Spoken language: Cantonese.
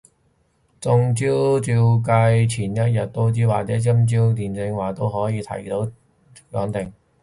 中招照計前一日都知，或者今朝起身驗嘅話都可以提早講定